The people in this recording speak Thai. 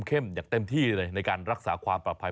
คุ้มเข้มอย่างเต็มที่ในการรักษาความปลาภัย